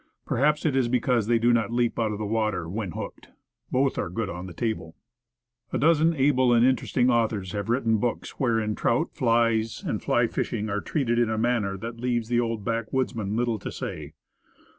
Perhaps it is because they do not leap out of water when hooked. Both are good on the table. A dozen able and interesting authors have written books wherein trout, flies and fly fishing are treated in a manner that leaves an old backwoodsman little to say.